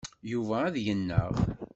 Yuba ad yennaɣ.